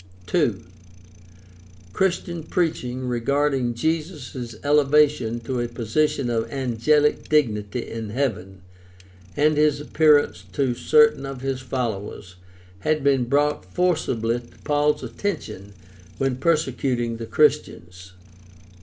2. Christian preaching regarding Jesus' elevation to a position of angelic dignity in heaven, and his appearance to certain of his followers, had been brought forcibly to Paul's attention when persecuting the Christians.